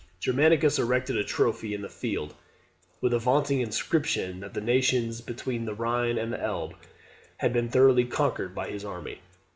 Germanicus erected a trophy in the field, with a vaunting inscription, that the nations between the Rhine and the Elbe had been thoroughly conquered by his army.